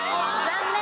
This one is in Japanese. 残念。